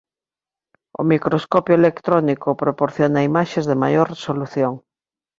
O microscopio electrónico proporciona imaxes de maior resolución.